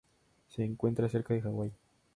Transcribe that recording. Se encuentra cerca de Hawaii.